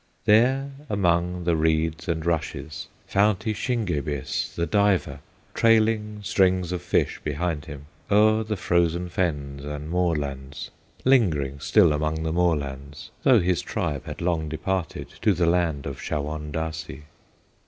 There among the reeds and rushes Found he Shingebis, the diver, Trailing strings of fish behind him, O'er the frozen fens and moorlands, Lingering still among the moorlands, Though his tribe had long departed To the land of Shawondasee.